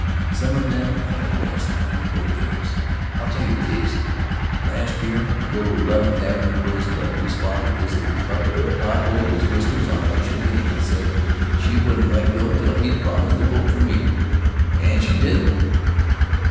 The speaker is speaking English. Some of them are the best kind of vote getters. I'll tell you a case. Last year a little Eleventh Avenue rosebud, whose father is a Republican, caught hold of his whiskers on election day and said she wouldn't let go till he'd promise to vote for me. And she didn't.